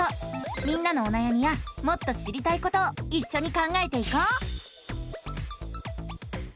みんなのおなやみやもっと知りたいことをいっしょに考えていこう！